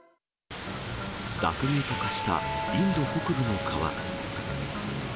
濁流と化したインド北部の川。